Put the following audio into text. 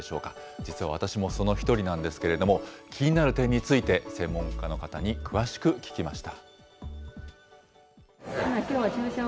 実は私もその１人なんですけれども、気になる点について、専門家の方に詳しく聞きました。